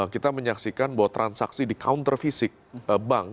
kita menyaksikan bahwa transaksi di counter fisik bank